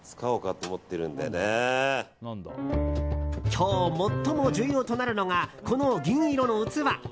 今日最も重要となるのがこの銀色の器。